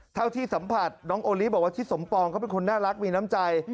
เท่าที่สัมผัสน้องโอลิบอกว่าทิศสมปองเขาเป็นคนน่ารักมีน้ำใจ